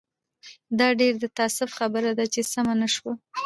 دا ډېر د تاسف خبره ده چې سمه نه شوه.